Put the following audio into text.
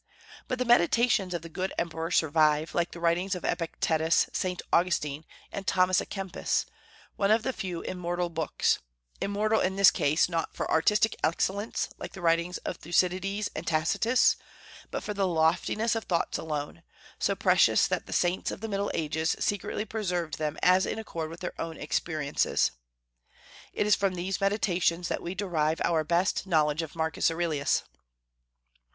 But the "Meditations" of the good emperor survive, like the writings of Epictetus, St. Augustine, and Thomas à Kempis: one of the few immortal books, immortal, in this case, not for artistic excellence, like the writings of Thucydides and Tacitus, but for the loftiness of thoughts alone; so precious that the saints of the Middle Ages secretly preserved them as in accord with their own experiences. It is from these "Meditations" that we derive our best knowledge of Marcus Aurelius.